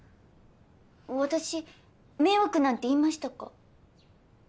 私迷惑なんて言いましたか？